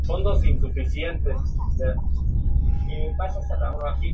La corte y el shogunato coexistieron hasta el final del período Edo.